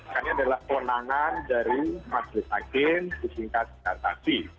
karena adalah penangan dari masjid agen disingkat datasi